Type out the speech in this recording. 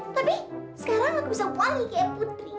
tapi sekarang aku bisa wangi kayak putri